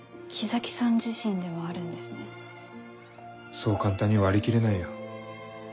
そう簡単に割り切れないよ。